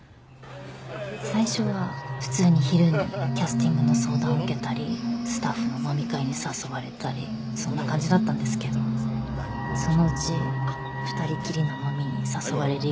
最初は普通に昼にキャスティングの相談を受けたりスタッフの飲み会に誘われたりそんな感じだったんですけどそのうち２人きりの飲みに誘われるようになって。